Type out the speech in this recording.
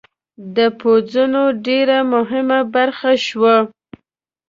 د پوځونو ډېره مهمه برخه شوه.